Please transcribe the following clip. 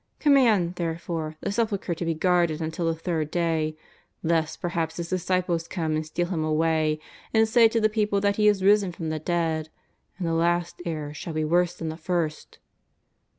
Com mand, therefore, the sepulchre to be guarded until the third day, lest perhaps his disciples come and steal him away, and say to the people that he is risen from the dead, and the last error shall be worse than the first.''